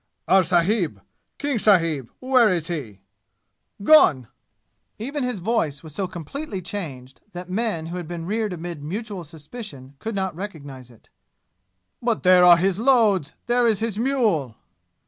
"Our sahib King sahib where is he?" "Gone!" Even his voice was so completely changed that men who had been reared amid mutual suspicion could not recognize it. "But there are his loads! There is his mule!"